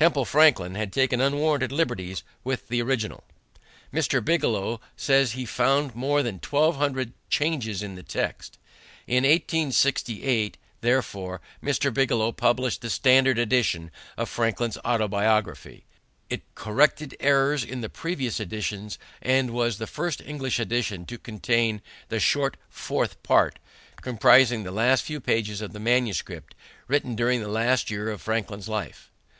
Temple Franklin had taken unwarranted liberties with the original. Mr. Bigelow says he found more than twelve hundred changes in the text. In 1868, therefore, Mr. Bigelow published the standard edition of Franklin's Autobiography. It corrected errors in the previous editions and was the first English edition to contain the short fourth part, comprising the last few pages of the manuscript, written during the last year of Franklin's life.